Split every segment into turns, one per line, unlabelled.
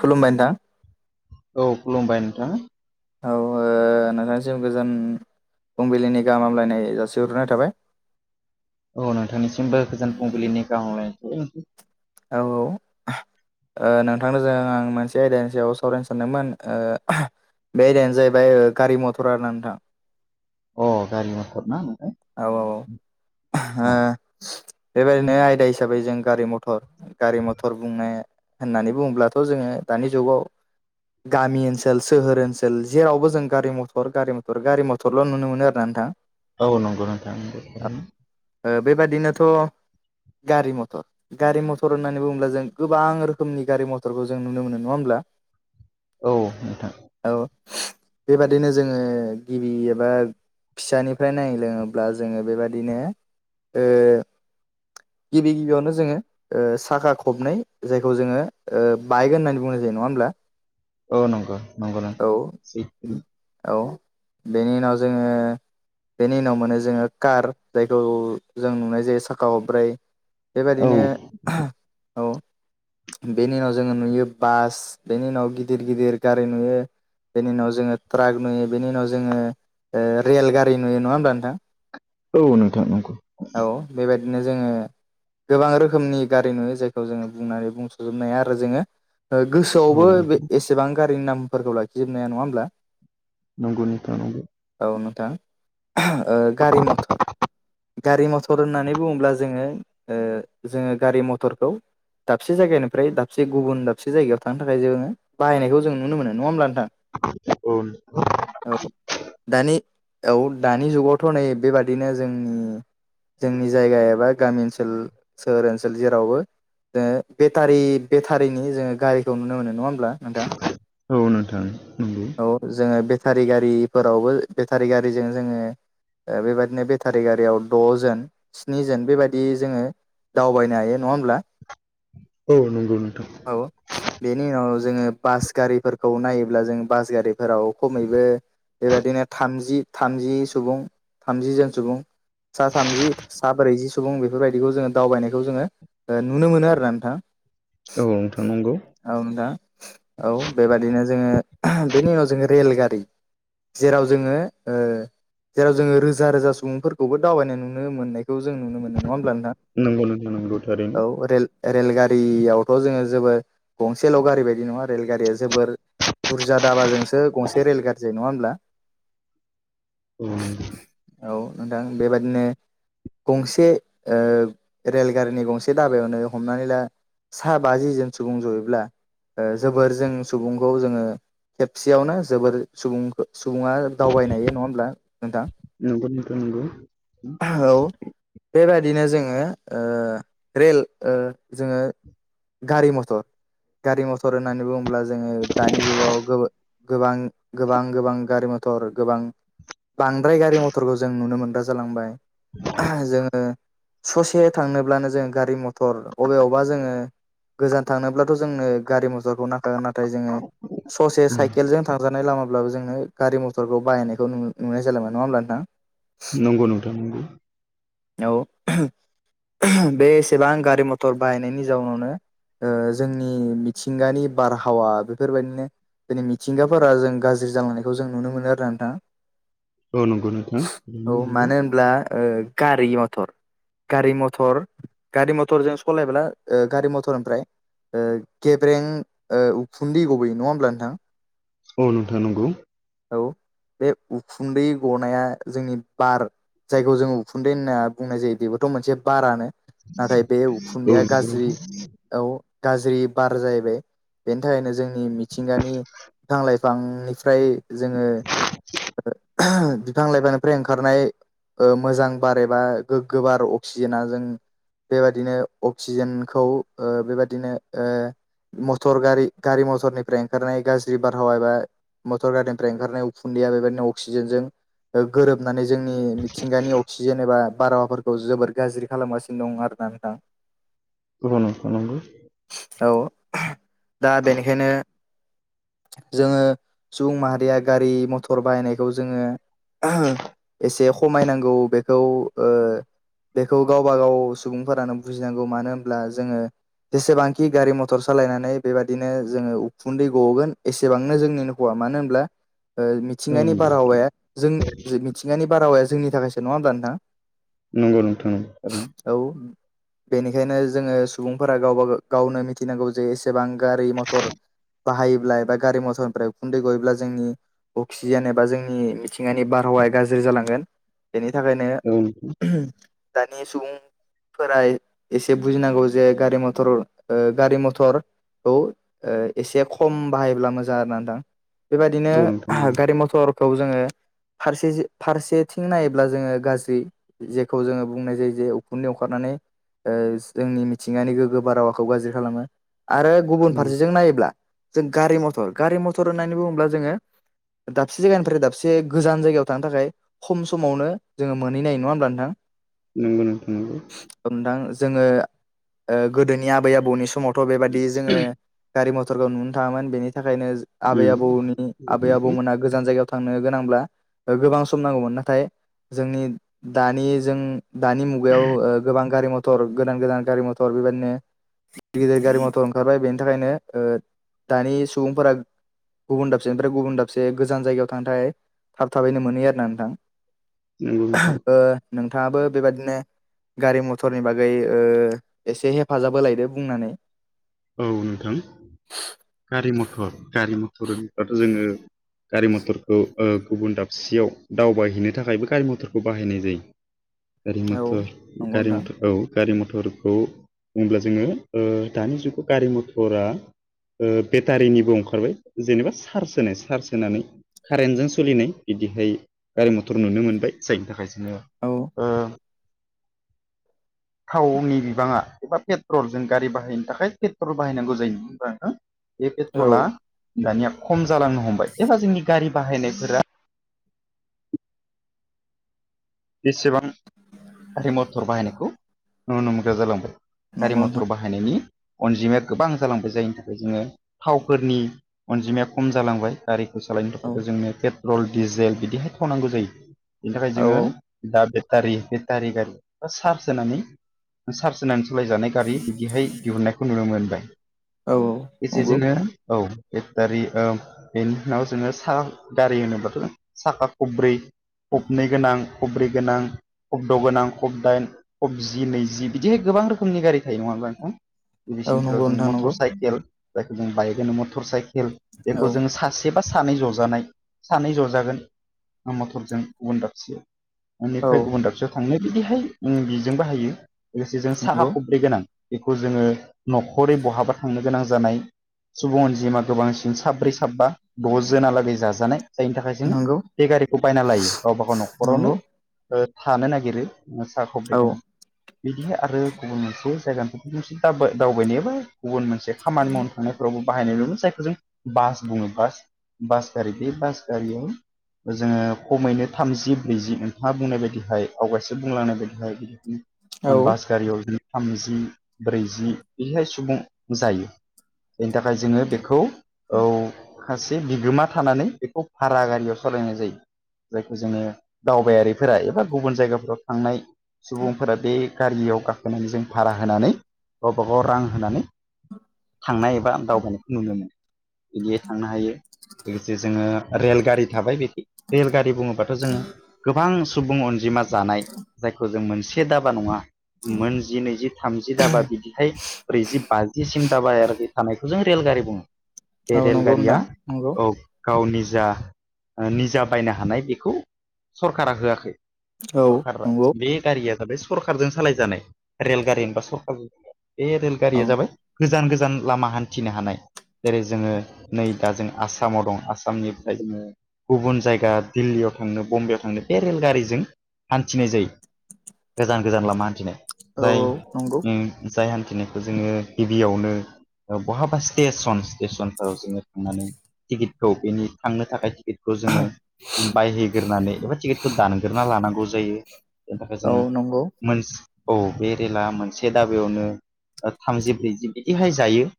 खुलुमबाय नोंथां
औ खुलुमबाय नोंथाङा
औ ओ नोंथांनिसिम गोजोन फुंबिलिनि गाहाम हामलायनाय जासिहरनाय थाबाय
औ नोंथांनिसिमबो गोजान फुंबिलिनि गाहाम हामलायनायखौ'
औ औ ओ नोंथांजों आं मोनसे आयदानि सायाव सावरायनो सानदोंमोन ओ बे आयदायानो जाहैबाय ओ गारि मथर आरो ना नोंथां
अ गारि मथर ना नोंथां
औ औ औ हो
अ
बेबायदिनो आयदा हिसाबै जों गारि मथर गारि मथर बुंनाय होननानै बुङोब्लाथ' जोङो दानि जुगाव गामि ओनसोल सोहोर ओनसोल जेरावबो जों गारि मथर गारि मथर गारि मथरल' नुनो मोनो आरो ना नोंथां
औ नंगौ नोंथां नंगौ
ओ बेबादिनोथ' गारि मथर गारि मथर होननानै बुङोब्ला जों गोबां रोखोमनि गारि मथरखौ जों नुनो मोनो नङा होमब्ला
औ नोंथां
औ बेबादिनो जोङो गिबि एबा फिसानिफ्राय नाय लोङोब्ला जोङो बेबादि बिदिनो ओ गिबि गिबियावनो जोङो। ओ साखा खबनै जायखौ जोङो बाइक होननानै बुंनाय जायो नङा होमब्ला
औ नंगौ नंगौ नंौ
औ
[inaudible]
औ बेनि उनाव जोङो बेनि उनाव मोनो जोङो कार जायखौ जों नुनाय जायो साखा हब्रै
औ
बेबायादिनो औ बेनि उनाव जोङो नुयो बास बेनि उनाव गिदिर गिदिर गारि नुयो। बेनि उनाव जोङो ट्राक नुयो बेनि उनाव जोङो रेल गारि नुयो नङा होमब्ला नोंथां।
औ नोंथां नंगौ।
औ बेबायदिनो जोङो। गोबां रोखोमनि गारि नुयो जायखौ जोङो बुंनानै बुंस'जोबनाय हा आरो जोङो। ओ
औ
गोसोआवबो बे
नोंथां
एसेबां गारिनि नामफोरखौ लाखिजोबनाया नङा होमब्ला
नंगौनिथा नंगौ [unintelligible]
औ नोंथां गारि मथर गारि मथर होननानै बुङोब्ला जोङो ओ जोङो गारि मथरखौ दाबसे जायगानिफ्राय दाबसे गुबुन दाबसे जायगायाव थांनो थाखाय जोङो बायनायखौ जों नुनो मोनो नङा होमब्ला नोंथां।
औ
औ दानि औ दानि जुगावथ' नै बेबादिनो जोंनि जोंनि जायगा एबा गामि ओनसोल सोहोर ओनसोल जेरावबो ओ जोङो बेटारि बेटारिनि जोङो गारिखौ नुनो मोनो नङा होमब्ला नोंथां
औ नोंथां नंगौ‌
औ जोङो बेटारि गारिफोरावबो बेटारि गारिजों जोङो ओ बेबायदिनो बे सारिगारियाव द'जोन स्निजोन बेबायदि जोङो दावबायनो हायो नङा होमब्ला‌ [inaudible]
औ नंगौ नोंथां।
औ बेनि उनाव जोङो बास गारिफोरखौ नायोब्ला जों बास गारिफोराव खमैबो बेबायदिनो थामजि थामजि सुबुं थामजि ज सुबुं सा थामजि सा ब्रैजि सुबुं बेफोरबायदिखौ जोङो दावबायनायखौ जोङो ओ नुनो मोनो आरो ना नोंथां
औ नोंथां नंगौ।
औ दा औ बेबादिनो जोङो बेनि उनाव जोङो रेलगारि जेराव जोङो ओ जेराव जोङो रोजा रोजा सुबुंफोरखौबो दावबायनाय नुनो मोननायखौ जों नुनो मोनो नङा होमब्ला नोंथां‌
नंगौ नोंनि नंगौ थारैनो
रेलगारियावथ' जोङो जोबोर गंसेल' गारि बायदि नङा रेलगारिया जोबोर बुरजा दाबाजोंसो गंसे रेल गारिरि ज नङा होमब्ला
औ
औ नोंथां बेबादिनो गंसे ओ रेलगारिनि गंसे दाबायावनो हमनानै ला सा बाजि जोन सुबुं जयोब्ला जोबोरजों सुबुंखौ जोङो खेबसेयावनो जोबोर सुबुं सुबुङा दावबायनायायो नङा होमब्ला नोंथां।
नोंगौ नोंथां नंगौ।
औ बेबादिनो जोङो ओ रेल जोङो गारि मथर गारि मथर होननानै बुङोब्ला। जोङो दानि जुगाव गोबां गोबां गोबां गारि मथर गोबां बांद्राय गारि मथरखौ जों नुनो मोनग्रा जालांबाय जोङो ससे थांनोब्लानो जोङो गारि मथर अबे अआवबा जोङो - गोजान थांनोब्लाथ' जोंनो गारि मथरखौ नांखागोन नाथाय जोङो ससे साइकेलजों थांजानाय लामाब्लाबो जोंङनो गारि मथरखौ बाहायनायखौ न नुनाय जालायमोन नङा होमब्ला नोंथां
नंगौ नोंथां नंगौ
औ बे एसेबां गारि मथर बाहायनायनि जाउनावनो जोंनि मिथिंगानि बारहावा बेफोरबायदिनो दिनै मिथिंगाफोरा जों गाज्रि जालांनायखौ जों नुनो मोनो आरो ना नोंथाङा
औ नंगौ नोंथां नंगौ
औ
नंगौ
मानो होनब्ला ओ गारि मथर गारि मथर गारि मथरजों सालायब्ला गारि मथर ओमफ्राय गेब्रें उखुन्दै गबोयो नङा होमब्ला नोंथां
औ नोंथां नंगौ
औ बे उखुन्दै गनाया जोंनि बार जायखौ जोङो उखुन्दै होनना बुंनाय जायो बेबोथ' मोनसे बारानो नाथाय बे
औ नंगौ
उखुन्दैआ गाज्रि
नोंथां
औ गाज्रि बार जाहैबाय बेनि थाखायनो जोंनि मिथिंगानि बिफां लाइफांनिफ्राय जोङो बिफांलायफानिफ्राय ओंखारनाय मोजां बार एबा गोग्गो बार अक्सिजेना जों बेबादिनो अक्सिजेनखौ ओ बेबादिनो मटर गारि गारि मथरनिफ्राय ओंखारनाय गाज्रि बारहावा एबा मटर गारिनिफ्राय ओंखारनाय उखुन्दैया बेबायदिनो अक्सिजेनजों गोरोबनानै जोंनि मिथिंगानि अक्सि जेनेबा बारहावाफोरखौ जोबोर गाज्रि खालामगासिनो दं आर ना नोंथां
गोबानाव नंगौ
औ दा बेनिखायनो जोङो सुबुं माहारिया गारि मथर बाहायनायखौ जोङो एसे खमायनांगौ बेखौ बेखौ गावब गाव सुबुंफोरानो बुजिनांगौ मानो होनब्ला जोङो जेसेबांखि गारि मथर सालायनानै बेबदिनो जोङो उखुन्दै गगोन एसेबांनो जोंनि हौवा मानो होनब्ला
औ
मिथिंगानि
नंगौ
बारहावाया जों मिथिंगानि बारहावाया जोंनि थाखायसो नङा होमब्ला नोंथाङां
नंगौ नोंथां थारै
औ बेनिखायनो जोङो सुबुंफोरा गावबा गावनो मिथिनांगौ जे एसेबां गारि मथर बाहायोब्ला एबा गारि मथरनिफ्राय उखुन्दै गयोब्ला जोंनि अक्सिजेन एबा जोंनि मिथिंगानि बारहावाया गाज्रि जालांगोन बेनि थाखायनो दानि सुबुं फोरा एसे बुजिनांगौ जे गारि मथर गारि मथर औ एसे खम बाहायोब्ला मोजां आर ना नोंथां बेबायदिनो
थारैनो औ नोंथां औ नोंथां
गारि मथरखौ जोङो फारसे फारसेथिं नायोब्ला जोङो गाज्रि जेखौ जोङो बुंनाय जायो जे उखुन्दै ओंखारनानै जोंनि मिथिंगानि गोग्गो बारहावाखौ गाज्रि खालामो आरो गुबुन
नंगौ
फारसेजों नायोब्ला जों गारि मथर गारि मथर होननानै बुङोब्ला जोङो दाबसे जायगानिफ्राय दाबसे गोजान जायगायाव थांनो थाखाय खम समावनो जोङो मोनहैनाय नङा होमब्ला नोंथां
नंगौ नोंथां नंगौ
नोंथां जोङो गोदोनि आबै आबौनि समावथ' बेबायदि जोङो गारि मथरखौ नुनो थाङामोन बेनि थाखायनो आबै
उम
आबौनि
नंगौ
आबै
नोंथां
आबौमोना गोजान जायगायाव थांनो गोनांब्ला गोबां सम नांगौमोन नाथाय जोंनि दानि जों दानि मुगायाव ओ गोबां गारि मथर गोदान-गोदान गारि मथर बेबायदिनो गिदिर-गिदिर गारि मथर ओंखारबाय बेनि थाखायनो ओ दानि सुबुंफोरा गुबुन दाबसे ओमफ्राय गुबुन दाबसे गोजान जायगायाव थांनो थाखाय थाब थाबैनो मोनोयो आरो ना नोंथां।
नोंगौ नोंथां‌।
ओ नोंथाङाबो बेबादिनो गारि मथरनि बागै ओ एसे हेफाजाब होलायदो बुंनानै।
औ नोंथां गारि मथर गारि मथरब्लाथ' जोङो गारि मथरखौ गुबुन दाबसेयाव दावबायहैनो थाखायबो गारि मथरखौ बाहायनाय जायो गारि
औ
मथर
नंगौ
गारि
नोंथां
मथर औ गारि मथरखौ बुङोब्ला जोङो दानि जुगाव गारि मथरा बेटारिनिबो ओंखारबाय जेनेबा चार्ज होनाय चार्ज होनानै कारेन्टजों सोलिनाय बिदिहाय गारि मथर नुनो मोनबाय जायनि थाखाय जोङो
औ
ओ थावनि बिबाङा एबा पेट्रल जों गारि बाहायनो थाखाय पेट्रल बाहायनांगौ जायो होनब्ला बे पेट्रला
औ
दानिया खम जालांनो हमबाय एबा जोंनि गारि बाहायनायफोरा बेसेबां गारि मथर बाहायनायखौ नुनो मोनग्रा जालांबाय गारि
नंगौ नोंथां
मथर बाहाय बाहायनायनि अनजिमाया गोबां जालांबाय जायनि थाखाय जोङो थावफोरनि अनजिमाया खम जालांबाय। गारिखौ सालायनो
औ
थाखाय'थ' जोंनो पेट्रल डिजेल बिदिहाय थावनांगौ जायो। बिनि थाखाय
औ
जोङो दा बेटारि बेटारि गारि चार्ज होनानै चार्ज होननानै सालायजानाय गारि बिदिहाय दिहुननायखौ नुनो मोनबाय।
औ औ।
एसे
नंगौ
जोंनो औ बेटारि ओम। बेनि उनाव जोङो सा गारि होनोबाथ' साखा खब्रै खबनै गोनां खब्रै गोनां खब द' गोनां खब दाइन कबजि नैजि बिदिहाय गोबां रोखोमनि गारि थायो नङा होमबा नोंथां।
औ
गिबिसिनथाव
नंगौ
जों
नोंथां
मटर
नंगौ
साइकेल जायखौ जों बाइक होनो मटर साइकेल
औ
बेखौ जोंङो सासे एबा सानै ज'जानाय सानै ज'जागोन मथरजों गुबुन दाबसे
औ
न'निफ्राय गुबुन दाबसेयाव थांनो बिदिहाय बिजों बाहायो लोगोसे जों साखा
नंगौ
खब्रै गोनां बेखौ जोङो न'खरै बहाबा थांनो गोनां जानाय सुबुं अनजिमा गोबां साब्रै साबा द' जोनहालागै जाजानाय जायनि थाखाय जोङो
नंगौ
बे गारिखौ बायना लायो गावबा गाव
नंगौ
न'खरावनो ओ थानो नागिरो साखा
औ
ख'ब्रैगोनां बिदिहाय आरो गुबुन मोनसे जायगानिफ्राय मोनसे [unintelligible] दावबायनाय बा गुबुन मोनसे खामानि मावनो थांनायफ्रावबो बाहायनाय नुयो जायखौ जों बास बुङो बास-बास गारि बे बास गारियाव जोङो खमैनो थामजि ब्रैजि हा बुंनाय बायदिहाय आवगायसो बुंलांनाय बायदिहाय
औ
बिदिनो बास गारियाव जों थामजि ब्रैजि बेहाय सुबुं जायो। बेनि थाखाय जोङो बेखौ औ खासे बिगोमा थानानै बेखौ भारा गारियाव सालायनाय जायो। जायखौ जोङो दावबायारिफोरा एबा गुबुन जायगाफोराव थांनाय सुबुंफोरा बे गारियाव गाखोनानै जों भारा होनानै गावबा गाव रां होनानै थांनाय एबा दावबायनायखौ नुनो मोनो बिदियै थांनो हायो। लोगोसे जोङो रेलगारि थाबाय बिदि रेल गारि बुङोबाथ' जोङो गोबां सुबुं अनजिमा जानाय जायखौ जों मोनसे दाबा नङा मोनजि नैजि थामजि दाबा बिदिहाय ब्रैजि बाजिसिम दाबायारि थानायखौ जों रेलगारि बुङो। बे
औ नंगौ
रेलगारिया
नोंथां नंगौ
औ। गाव निजा-निजा बायनो हानाय बेखौ सरकारा होआखै
औ
सरखारा
नंगौ
बे गारिया जाबाय सरखारजों सालायजानाय रेलगारि होनबा सरखारजों बे
औ
रेलगारिया जाबाय गोजान गोजान लामा हान्थिनो हानाय जेरै जोङो नै दा जों आसामाव दं आसामनिफ्राय जोङो गुबुन जायगा दिल्लीयाव थांनो बम्बेआव थांनो बे रेलगारिजों हान्थिनाय जायो गोजान गोजान लामा हान्थिनाय
औ
जाय
नंगौ
ओम जाय हान्थिनायखौ जोङो गिबियावनो बहाबा स्टेस'नस स्टेस'नफोराव जोङो थांनानै टिकेटखौ बेनि थांनो थाखाय टिकेटखौ जोङो बायहै ग्रोनानै एबा टिकेटखौ दानग्रोना लानांगौ जायो बेनि थाखाय
औ
जोङो
नंगौ
मोन औ बे रेला मोनसे दाबायावनो थामजि ब्रैजि बिदिहाय जायो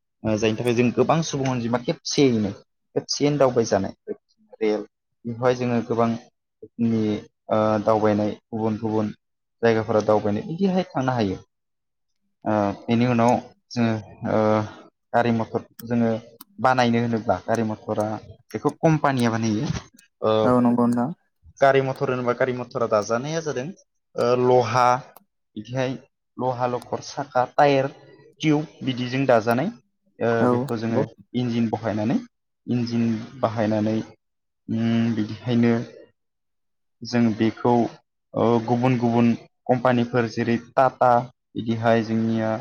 जायनि थाखाय जों गोबां सुबुं अनजिमा खेबसेयैनो खसेयन दावबाय जानाय रेल बेवहाय जोङो गोबां नि ओदावबायनाय गुबुन गुबुन जायगाफोरा दावबायनो बिदिहाय थांनो हायो ओ बेनि उनाव जोङो गारि मथर जोङो बानायनो होनोब्ला गारि मथरा बेखौ कम्पानिया बानायो
औ नंगौ नोंथां
गारि मथर होनोबा गारि मथरा दाजानाया जादों ओ लहा बिदिहाय लहा लखर साखा टायार टिउब बिदिजों दाजानाय ओ
औ
बेखौ जोङो
नंगौ
इन्जिन बहायनानै इन्जिन बाहायनानैउम बिदिहायनो जों बेखौ गुबुन गुबुन कम्पानिफोर जेरै टाटा बिदिहाय जोंनिया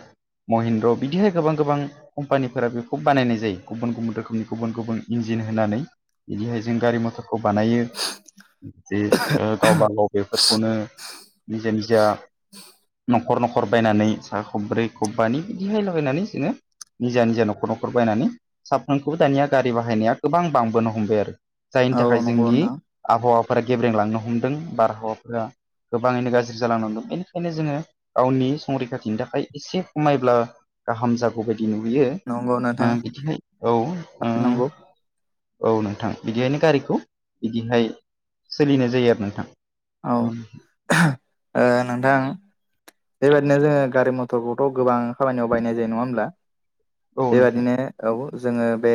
महिन्द्र बिदिहाय गोबां गोबां कम्पानिफोरा बेखौ बानायनाय जायो गुबुन गुबुन रोखोमनि गुबुन गुबुन इन्जिन होनानै बिदिहाय जों गारि मथरखौ बानायो जे ओगावबागाव बेफोरखौनो निजा निजाख न'खर न'खर बायनानै सा खब्रै खबबानि बिदिहायलाबायायनानै जोङो निजा निजा न'खर न'खर बायनानै साफ्रोमखौबो दानिया गारि बाहायनाया गोबां बांबोनो हमबाय आरो जायनि
औ नंगौ
थाखाय जोंनि
नोंथां
आबहावाफोरा गेब्रेंलांनो हमदों बारहावाफोरा गोबाङैनो गाज्रि जालांनांदों बेनिखायनो जोङो गावनि संरैखाथिनि थाखाय एसे खमायब्ला गाहाम जागौ बायदि नुहयो
नंगौ नोंथां
ओ बिदिखाय औ
नंगौ
औ नोंथां बिदिहायनो गारिखौ बिदिहाय सोलिनाय जायो आरो नोंथां
औ ओ नोंथां बेबायादिनो जोङो गारि मथरखौथ' गोबां खामानियाव बायनाय जायो नङा होमब्ला
औ नोंथां
बेबादिनो औ जोङो बे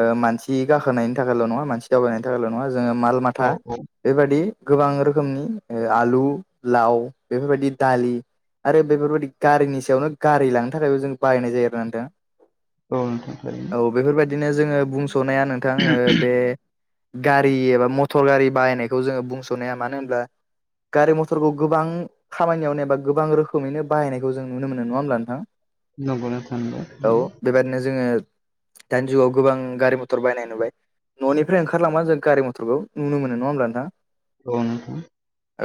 ओ मानसि गाखोनायनि थाखायल' नङा मानसि आवबायनायनिल' नङा जो माल
औ
माथा बेबादि गोबां रोखोमनि आलु, लाव बेफोरबायदि दालि, आरो बेफोरबायाददि गारिनि सायावनो गारि लांनो थाखायबो जों बाहायनाय जायो आरोना नोंथां
औ नोंथां थारैनो
औ बेफोरबायदिनो जोङो बुंस'नाया नोंथां बे गारि एबा मथर गारि बाहायनायखौ जोङो बुंस'नाया मानो होनब्ला गारि मथरखौ गोबां खामानियावनो एबा गोबां रोखोमैनो बाहायनायखौ जों नुनो मोनो नङा होमब्ला नोंथां
नंगौ नोंथां नंगौ
ओनो जोङो दानि जुगाव गोबां गारि मथर बायनाय नुबाय न'निफ्राय ओंखारलांङा जों गारि मथरखौ नुनो मोनो नङा होमब्ला नोंथां
औ नंगौ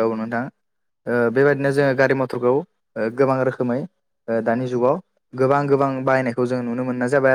औ नोंथां ओ बेबायाददिनो जोङो गारि मथरखौ ओ गोबां रोखोमै दानि जुगाव गोबां गोबां बायनायखौ जों नुनो मोननाय जाबाय आरो